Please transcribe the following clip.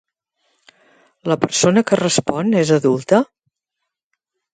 La persona que respon, és adulta?